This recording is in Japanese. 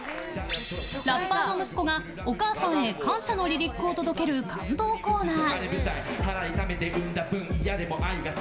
ラッパーの息子が、お母さんへ感謝のリリックを届ける感動コーナー。